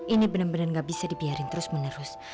ini bener bener gak bisa dibiarin terus menerus